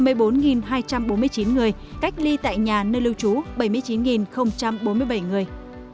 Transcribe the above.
trong đó cách ly tập trung tại bệnh viện là một mươi bốn hai trăm bốn mươi chín người cách ly tại nhà nơi lưu trú là bảy mươi chín bốn mươi bảy người